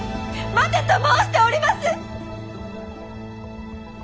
待てと申しております！